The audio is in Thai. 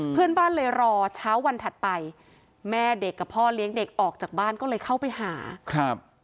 เพื่อนบ้านเลยรอเช้าวันถัดไปแม่เด็กกับพ่อเลี้ยงเด็กออกจากบ้านก็เลยเข้าไปหาครับ